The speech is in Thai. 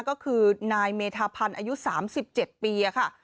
ก็คือนายเมธาพันธ์อายุ๓๗ปีค่ะ